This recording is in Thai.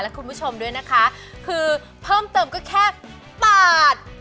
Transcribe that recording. และคุณผู้ชมด้วยนะคะคือเพิ่มเติมก็แค่บาท